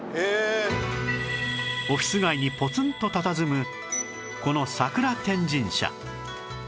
オフィス街にポツンとたたずむこの桜天神社